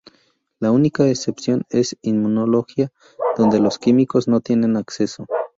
La única excepción es Inmunología, donde los químicos no tienen acceso.